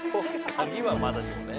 鍵はまだしもね。